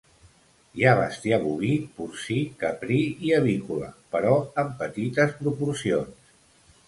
Hi ha bestiar boví, porcí, caprí i avícola, però en petites proporcions.